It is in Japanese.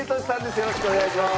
よろしくお願いします。